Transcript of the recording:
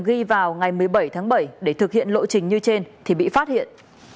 ghi vào ngày một mươi bảy tháng bảy để thực hiện lộ trình như trên thì bị phát hiện